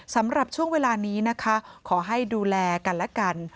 สำหรับช่วงเวลานี้นะคะขอให้ดูแลกันและกัน